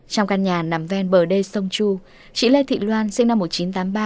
trong căn nhà nằm ven bờ đê sông chu chị lê thị loan sinh năm một nghìn chín trăm tám mươi ba